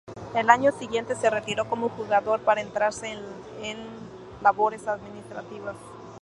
Al año siguiente se retiró como jugador para centrarse en labores administrativas.